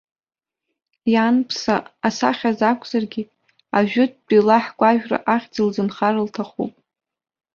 Ианԥса, асахьаз акәзаргьы, ажәытәтәи лаҳкәажәра ахьӡ лзынхар лҭахуп.